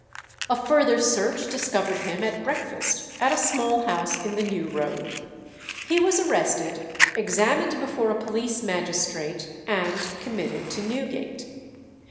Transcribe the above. A further search discovered him at breakfast at a small house in the New Road. He was arrested, examined before a police magistrate, and committed to Newgate.